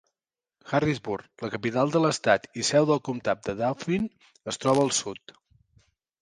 Harrisburg, la capital de l'estat i seu del comtat de Dauphin, es troba al sud.